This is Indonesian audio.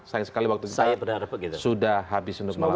sayang sekali waktu kita sudah habis untuk malam ini